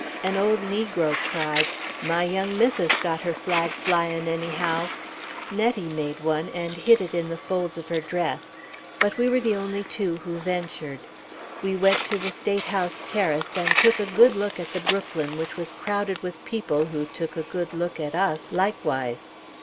An old negro cried, "My young missus got her flag flyin', anyhow!" Nettie made one and hid it in the folds of her dress. But we were the only two who ventured. We went to the State House terrace, and took a good look at the Brooklyn which was crowded with people who took a good look at us, likewise.